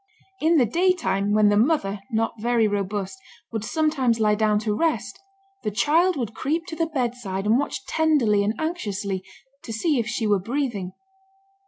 In the daytime, when the mother, not very robust, would sometimes lie down to rest, the child would creep to the bedside and watch tenderly and anxiously, to see if she were breathing.